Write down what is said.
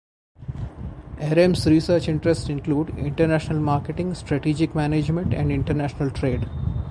Erem's research interests include international marketing, strategic management and international trade.